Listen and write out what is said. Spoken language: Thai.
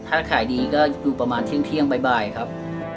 ถ้าขายดีก็ดูประมาณเที่ยงบ่ายครับ